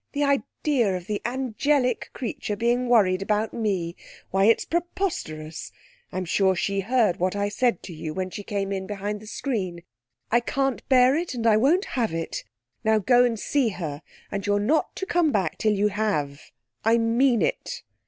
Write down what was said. The idea of the angelic creature being worried about me! Why, it's preposterous! I'm sure she heard what I said to you when she came in behind the screen. I can't bear it, and I won't have it. Now go and see her, and you're not to come back till you have. I mean it.'